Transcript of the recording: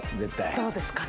どうですかね。